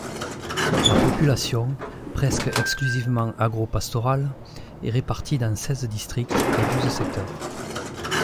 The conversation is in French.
La population, presque exclusivement agro-pastorale, est répartie dans seize districts et douze secteurs.